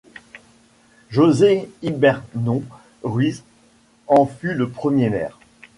José Imbernón Ruíz en fut le premier maire.